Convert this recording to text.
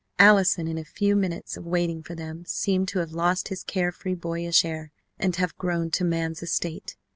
Allison in that few minutes of waiting for them, seemed to have lost his care free boyish air and have grown to man's estate.